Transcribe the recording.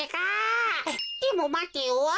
でもまてよ。